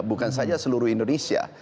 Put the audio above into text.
bukan saja seluruh indonesia